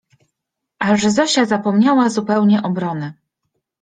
Aż Zosia zapomniała zupełnie obrony